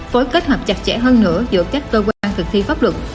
phối kết hợp chặt chẽ hơn nữa giữa các cơ quan thực thi pháp luật